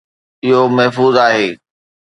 اهو محفوظ آهي